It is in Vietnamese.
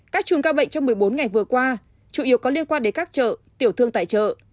các trùn ca bệnh trong một mươi bốn ngày vừa qua chủ yếu có liên quan đến các chợ tiểu thương tại chợ